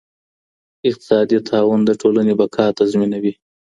اقتصادي تعاون د ټولني بقا تضمینوي.